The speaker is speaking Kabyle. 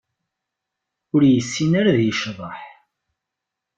Ur yessin ara ad yecḍeḥ.